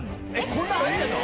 こんな入ってるの！？